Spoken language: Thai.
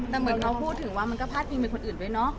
แต่เหมือนเขาพูดถึงว่ามันก็พาดพิงเป็นคนอื่นด้วยเนาะ